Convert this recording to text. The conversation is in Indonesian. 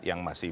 yang masih ada